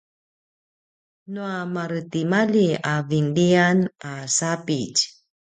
nua maretimalji a vinlian a sapitj